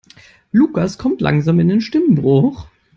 Lukas kommt langsam in den Stimmbruch.